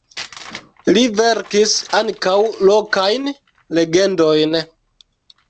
Li verkis ankaŭ lokajn legendojn.